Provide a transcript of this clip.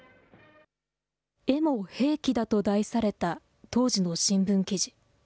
絵も兵器だと題された当時の新聞記事。